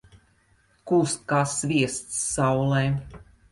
Kūst kā sviests saulē.